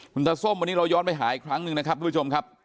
คุณตาส้มวันนี้เราย้อนไปหาอีกครั้งหนึ่งนะครับทุกผู้ชมครับ